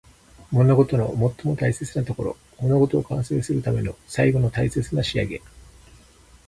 物事の最も大切なところ。物事を完成するための最後の大切な仕上げ。